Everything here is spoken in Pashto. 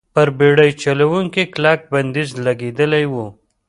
پر بېړۍ چلونې کلک بندیز لګېدلی و.